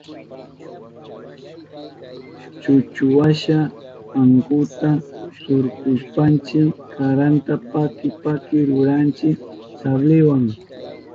Chuchuwasha ankunta surkushpanchi karanta paki paki ruranchi sabliwa.